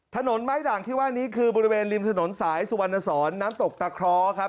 ถนนไม้ด่างที่ว่านี้คือบริเวณริมถนนสายสุวรรณสอนน้ำตกตะคร้อครับ